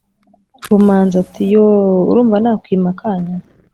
rumanzi ati"yooooh urumva nakwima akanya"